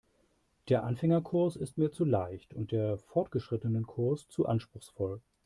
Der Anfängerkurs ist mir zu leicht und der Fortgeschrittenenkurs zu anspruchsvoll.